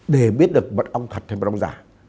để biết được mật ong thật hay mật ong giả